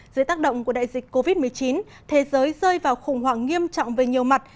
dưới tác động của đại dịch covid một mươi chín thế giới rơi vào khủng hoảng nghiêm trọng về nhiều mặt